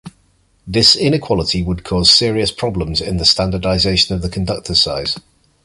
This inequality would cause serious problems in the standardization of the conductor size.